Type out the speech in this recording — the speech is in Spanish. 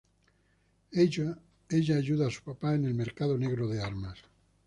Ella ayuda a su papá en el mercado negro de armas.